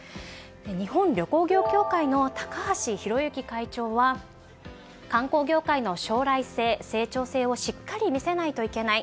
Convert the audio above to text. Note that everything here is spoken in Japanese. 日本旅行業協会の高橋広行会長は観光業界の将来性や成長性をしっかり見せないといけない。